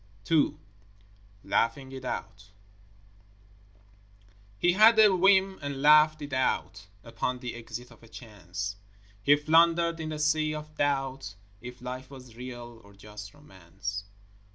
II Laughing It Out He had a whim and laughed it out Upon the exit of a chance; He floundered in a sea of doubt If life was real or just romance.